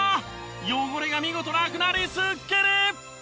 汚れが見事なくなりすっきり！